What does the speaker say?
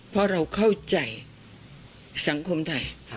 เพราะเราเข้าใจสังคมไทย